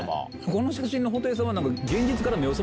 この写真の布袋さんは。